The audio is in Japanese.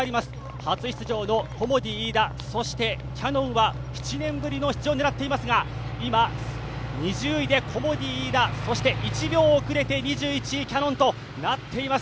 初出場のコモディイイダ、そしてキヤノンは７年ぶりの出場を狙っていますが、今、２０位でコモディイイダ、そして１秒遅れて２１位・キヤノンとなっています。